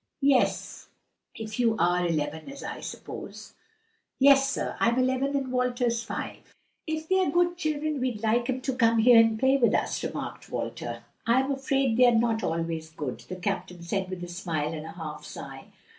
"Yes; if you are eleven, as I suppose." "Yes, sir, I'm eleven and Walter's five." "If they're good children we'd like 'em to come here and play with us," remarked Walter. "I am afraid they are not always good," the captain said with a smile and a half sigh.